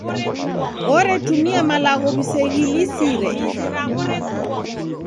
Oretumia malagho w'iseghilisire.